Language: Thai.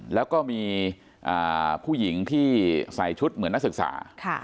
แล้วก็มีผู้หญิงที่ใส่ชุดเหมือนนักศึกษา